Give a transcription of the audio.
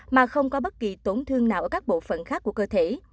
mà không có bất kỳ tổn thương nào ở các bộ phận khác của cơ thể